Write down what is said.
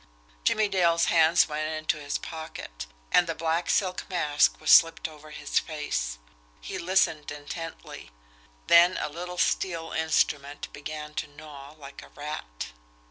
Jimmie Dale's hands went into his pocket and the black silk mask was slipped over his face. He listened intently then a little steel instrument began to gnaw like a rat.